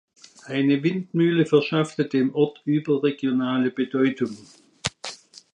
Eine Windmühle verschaffte dem Ort überregionale Bedeutung.